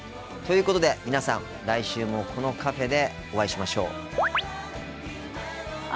ということで皆さん来週もこのカフェでお会いしましょう。